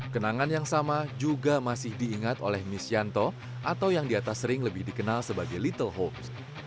kenangan yang sama juga masih diingat oleh misyanto atau yang di atas ring lebih dikenal sebagai little hopes